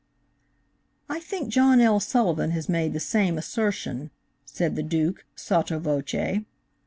"I think John L. Sullivan has made the same assertion," said the Duke, sotto voce.